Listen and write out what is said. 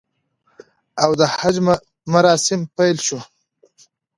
او د حج مراسم پیل شو